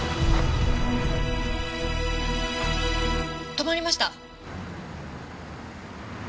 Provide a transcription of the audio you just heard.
止まりました！